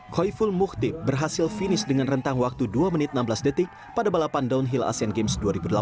khoiful muktib berhasil finish dengan rentang waktu dua menit enam belas detik pada balapan downhill asian games dua ribu delapan belas